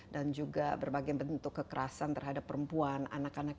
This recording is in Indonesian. dan juga berbagai bentuk kekerasan terhadap perempuan anak anak